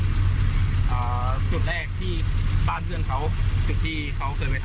และกำลังจะขับกลับบ้านที่นครปฐม